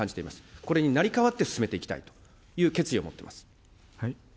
これに成り代わって進めていきたいという決意を持っています。